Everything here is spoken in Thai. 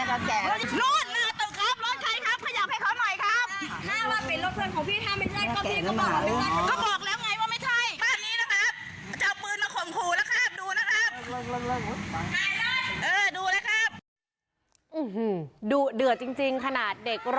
กูบอกมันเบียงไกลหน่อย